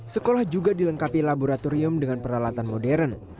sekolah juga dilengkapi laboratorium dengan peralatan modern